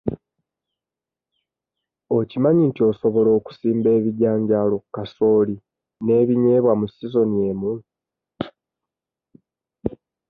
Okimanyi nti osobola okusimba ebijanjaalo, kasooli n'ebinyeebwa mu sizoni emu?